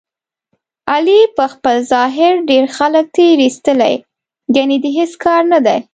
علي په خپل ظاهر ډېر خلک تېر ایستلي، ګني د هېڅ کار نه دی.